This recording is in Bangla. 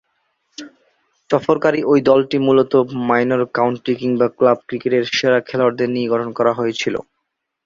সফরকারী ঐ দলটি মূলতঃ মাইনর কাউন্টি কিংবা ক্লাব ক্রিকেটের সেরা খেলোয়াড়দের নিয়ে গঠন করা হয়েছিল।